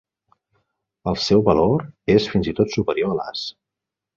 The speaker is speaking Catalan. El seu valor és fins i tot superior a l'as.